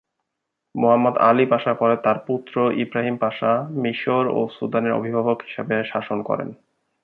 Muhammad Ali পাশার পরে তার পুত্র ইবরাহিম পাশা মিশর ও সুদানের অভিভাবক হিসেবে শাসন করেন।